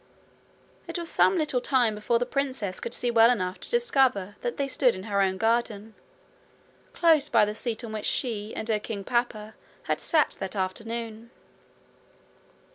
It was some little time before the princess could see well enough to discover that they stood in her own garden, close by the seat on which she and her king papa had sat that afternoon.